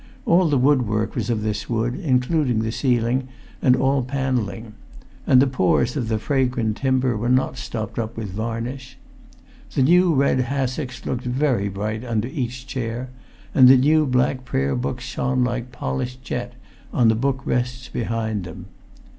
All the woodwork was of this wood, including the ceiling and all panelling; and the pores of the fragrant timber were not stopped up with varnish. The new red[Pg 379] hassocks looked very bright under each chair, and the new black prayer books shone like polished jet on the book rests behind them.